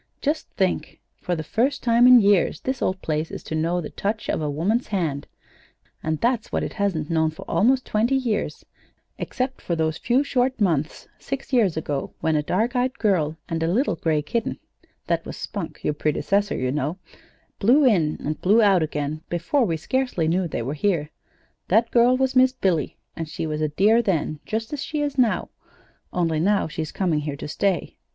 "Just think; for the first time in years this old place is to know the touch of a woman's hand and that's what it hasn't known for almost twenty years, except for those few short months six years ago when a dark eyed girl and a little gray kitten (that was Spunk, your predecessor, you know) blew in and blew out again before we scarcely knew they were here. That girl was Miss Billy, and she was a dear then, just as she is now, only now she's coming here to stay.